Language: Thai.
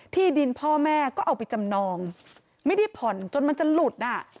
ที่ดินพ่อแม่ก็เอาไปจำนองไม่ได้ผ่อนจนมันจะหลุดอ่ะ